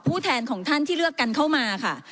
แทนของท่านที่เลือกกันเข้ามาค่ะ